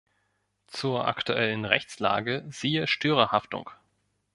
Zur aktuellen Rechtslage siehe Störerhaftung.